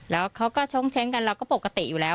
แล้วเขาก็ชงเช้งกันเราก็ปกติอยู่แล้ว